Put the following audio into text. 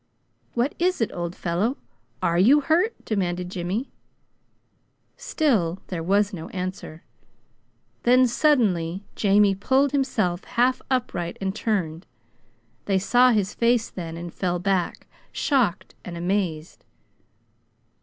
"What is it, old fellow? ARE you hurt?" demanded Jimmy. Still there was no answer. Then, suddenly, Jamie pulled himself half upright and turned. They saw his face then, and fell back, shocked and amazed.